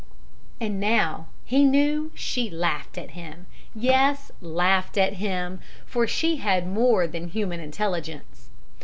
And now he knew she laughed at him. Yes, laughed at him, for she had more than human intelligence.